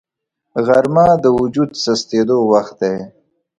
غرمه د وجود سستېدو وخت دی